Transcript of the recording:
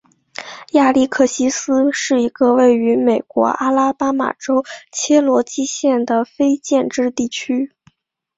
亚历克西斯是一个位于美国阿拉巴马州切罗基县的非建制地区。